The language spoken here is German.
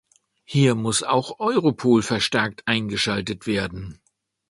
Hier muss auch Europol verstärkt eingeschaltet werden.